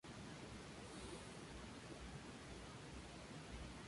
Las malas cosechas y la presión fiscal formaron un cóctel explosivo.